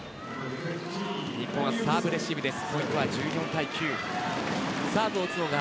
日本のサーブレシーブです。